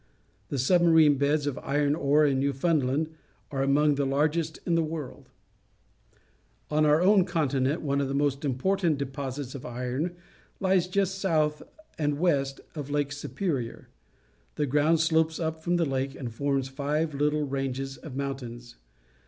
The submarine beds of iron ore in Newfoundland are among the largest in the world. MEN WHO LIVE BY LUMBERING AND MINING 19 On our own continent, one of the most im portant deposits of iron lies just south and west of Lake Superior. The ground slopes up from the lake and forms five little ranges of mountains.